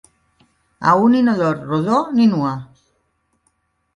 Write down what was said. A un inodor rodó, ni nua.